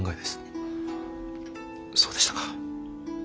そうでしたか。